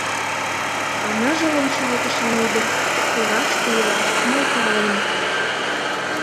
А ныжыл ончалтышан ӱдыр Тораште ила — мый палем.